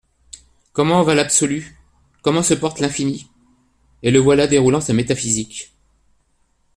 Comment va l'Absolu, comment se porte l'Infini ? Et le voilà déroulant sa métaphysique.